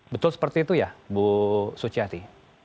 betul seperti itu ya bu suciati